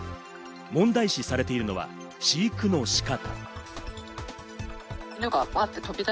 問題視されているのは飼育の仕方。